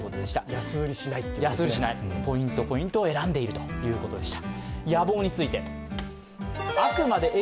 安売りしない、ポイントポイントを選んでいるということでした。